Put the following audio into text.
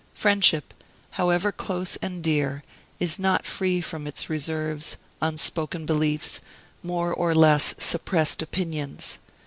Friendship, however close and dear, is not free from its reserves, unspoken beliefs, more or less suppressed opinions.